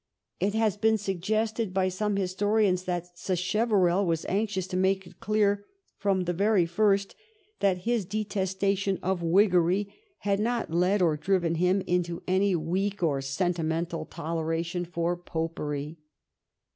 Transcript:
It has been suggested by some historians that Sacheverell was anxious to make it clear from the very first that his detestation of Whiggery had not led or driven him into any weak or sentimental toleration for Popery.